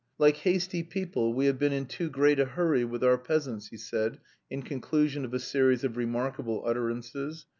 "Like hasty people we have been in too great a hurry with our peasants," he said in conclusion of a series of remarkable utterances.